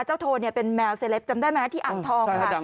โทนเป็นแมวเซลปจำได้ไหมที่อ่างทองค่ะ